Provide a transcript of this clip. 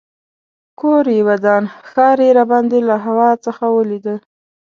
کور یې ودان ښار یې راباندې له هوا څخه ولیده.